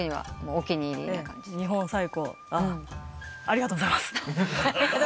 「ありがとうございます」